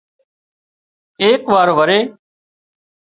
ايڪ وار وري